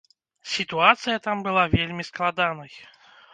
Сітуацыя там была вельмі складанай.